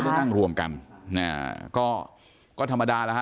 ไม่ได้นั่งร่วมกันก็ธรรมดาแล้วฮะ